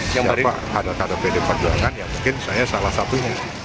siapa ada kader pd perjuangan ya mungkin saya salah satu